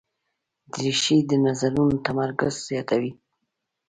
دریشي د نظرونو تمرکز زیاتوي.